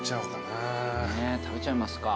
ねっ食べちゃいますか。